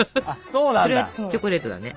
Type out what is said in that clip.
それはチョコレートだね。